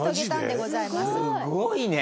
すごいね！